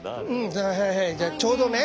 はいはいじゃあちょうどね。